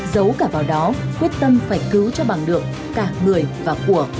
giấu cả vào đó quyết tâm phải cứu cho bằng được cả người và của